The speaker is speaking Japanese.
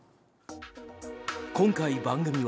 今回、番組は